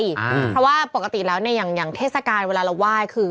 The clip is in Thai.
เพราะว่าปกติแล้วเนี่ยอย่างเทศกาลเวลาเราไหว้คือ